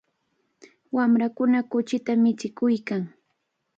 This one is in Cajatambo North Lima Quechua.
Wamrakuna kuchita michikuykan.